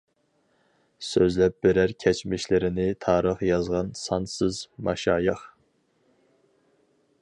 سۆزلەپ بېرەر كەچمىشلىرىنى تارىخ يازغان سانسىز ماشايىخ.